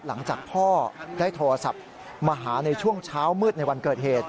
หลังจากพ่อได้โทรศัพท์มาหาในช่วงเช้ามืดในวันเกิดเหตุ